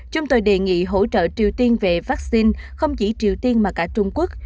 chúng tôi đề nghị hỗ trợ triều tiên về vắc xin không chỉ triều tiên mà cả trung quốc